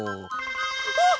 あっ！